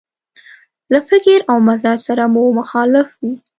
له فکر او مزاج سره مو مخالف وي.